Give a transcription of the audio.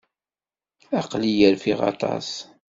Aql-iyi rfiɣ aṭas.